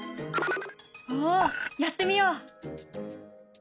おやってみよう！